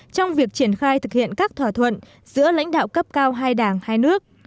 trong việc triển khai thực hiện các thỏa thuận giữa lãnh đạo cấp cao hai đảng hai nước